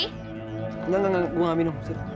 enggak enggak enggak gue gak minum sini